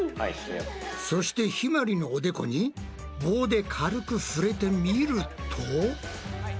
そしてひまりのおでこに棒で軽く触れてみると。